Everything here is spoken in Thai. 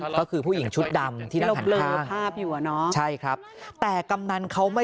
ก็คือผู้หญิงชุดดำที่นั่งหันข้างใช่ครับแต่กำนันเขาไม่